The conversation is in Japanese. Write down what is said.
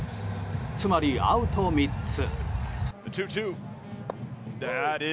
つまり、アウト３つ。